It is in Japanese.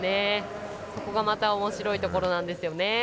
そこがまたおもしろいところなんですよね。